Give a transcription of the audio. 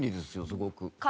すごく。